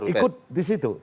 ya ikut disitu